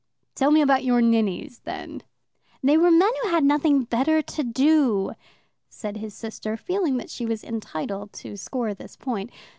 "Tell me about your ninnies, then." "They were men who had nothing better to do," said his sister, feeling that she was entitled to score this point.